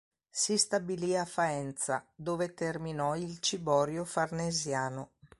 Si stabilì a Faenza, dove terminò il "Ciborio Farnesiano".